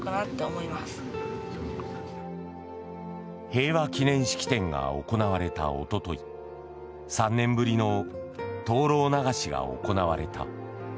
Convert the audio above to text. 平和記念式典が行われたおととい３年ぶりの灯ろう流しが行われた。